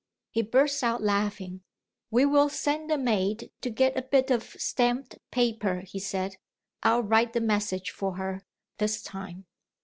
He burst out laughing. "We will send the maid to get a bit of stamped paper," he said; "I'll write the message for her, this time."